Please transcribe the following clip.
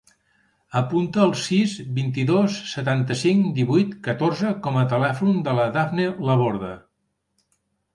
Apunta el sis, vint-i-dos, setanta-cinc, divuit, catorze com a telèfon de la Dafne Laborda.